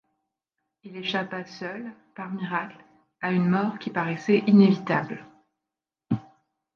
Il échappa seul, par miracle, à une mort qui paraissait inévitable.